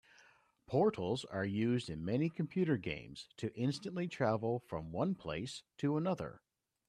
Portals are used in many computer games to instantly travel from one place to another.